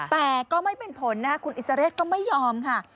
แต่ก็ไม่เป็นผลนะคะคุณอิสเรศก็ไม่ยอมค่ะ